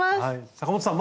阪本さん